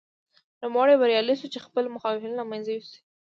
نوموړی بریالی شو چې خپل مخالفین له منځه یوسي.